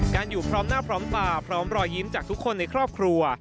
อยู่พร้อมหน้าพร้อมตาพร้อมรอยยิ้มจากทุกคนในครอบครัว